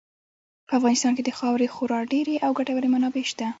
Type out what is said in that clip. په افغانستان کې د خاورې خورا ډېرې او ګټورې منابع شته.